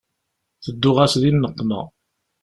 Tedduɣ-as di nneqma.